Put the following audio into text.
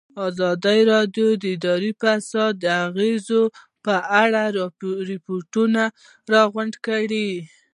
ازادي راډیو د اداري فساد د اغېزو په اړه ریپوټونه راغونډ کړي.